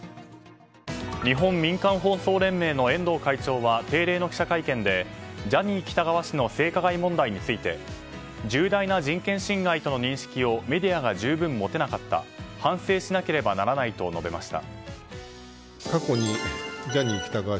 日本民間放送連盟の遠藤会長は定例の記者会見でジャニー喜多川氏の性加害問題について重大な人権侵害との認識をメディアが十分持てなかった反省しなければならないと述べました。